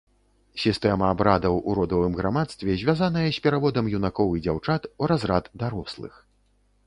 Сістэма абрадаў у родавым грамадстве, звязаная з пераводам юнакоў і дзяўчат у разрад дарослых.